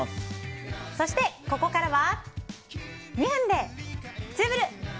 そして、ここからは２分でツウぶる！